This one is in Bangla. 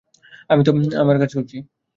আমি তো আমার কাজ করছি।